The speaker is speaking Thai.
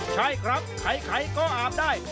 ใช่ครับใครก็อาบได้